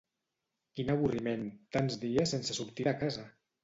Quin avorriment tants dies sense sortir de casa!